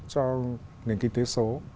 cho nền kinh tế số